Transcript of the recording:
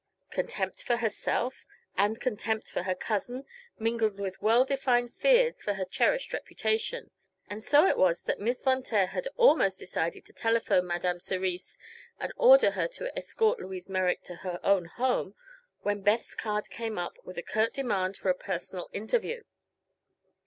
Contempt for herself and contempt for her cousin mingled with well defined fears for her cherished reputation, and so it was that Miss Von Taer had almost decided to telephone Madame Cerise and order her to escort Louise Merrick to her own home when Beth's card came up with a curt demand for a personal interview.